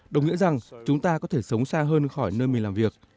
đồng nghĩa rằng chúng ta có thể sống xa hơn khỏi nơi mình làm việc